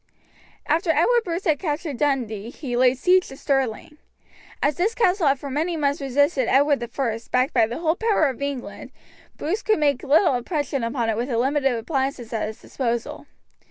After Edward Bruce had captured Dundee he laid siege to Stirling. As this castle had for many months resisted Edward I backed by the whole power of England, Bruce could make little impression upon it with the limited appliances at his disposal.